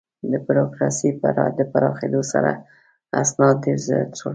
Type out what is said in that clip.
د بروکراسي د پراخېدو سره، اسناد ډېر زیات شول.